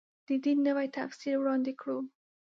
د دین نوی تفسیر وړاندې کړو.